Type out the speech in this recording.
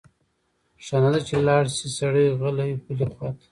ښه نه ده چې لاړ شی سړی غلی بلې خواته؟